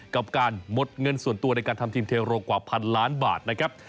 กับการหมดเงินส่วนตัวในการทำทีมเทโรกว่าพันล้านบาทนะครับ